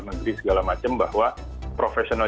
negeri segala macem bahwa professional